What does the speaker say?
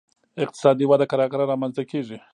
اقتصادي وده کرار کرار رامنځته کیږي